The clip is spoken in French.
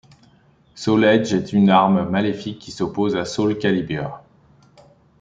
Soul Edge est une arme maléfique qui s'oppose à Soul Calibur.